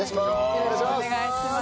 よろしくお願いします。